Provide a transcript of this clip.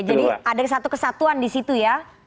jadi ada satu kesatuan disitu ya